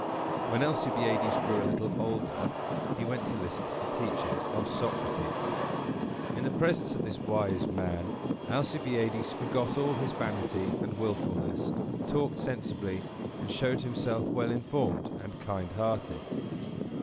When Alcibiades grew a little older, he went to listen to the teachings of Socrates. In the presence of this wise man, Alcibiades forgot all his vanity and willfulness, talked sensibly, and showed himself well informed and kind hearted.